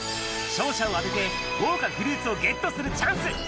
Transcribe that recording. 勝者を当てて、豪華フルーツをゲットするチャンス。